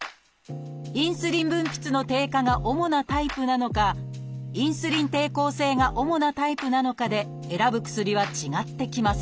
インスリン分泌の低下が主なタイプなのかインスリン抵抗性が主なタイプなのかで選ぶ薬は違ってきます。